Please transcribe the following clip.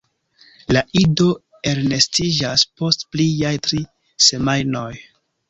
La ido elnestiĝas post pliaj tri semajnoj.